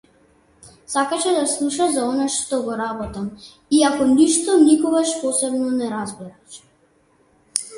Сакаше да слуша за она што го работам, иако ништо никогаш посебно не разбираше.